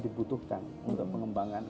dibutuhkan untuk pengembangan empat